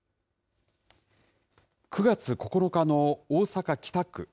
９月９日の大阪・北区。